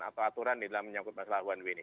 atau aturan di dalam menyangkut masalah one way ini